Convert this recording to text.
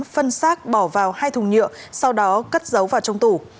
phân xác bỏ vào hai thùng nhựa sau đó cất dấu vào trong tủ